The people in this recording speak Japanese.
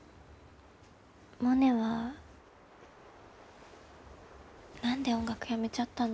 モネは何で音楽やめちゃったの？